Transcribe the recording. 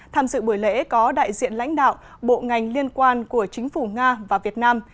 tham dự buổi lễ có đại diện lãnh đạo bộ ngành liên quan của chính phủ nga và việt nam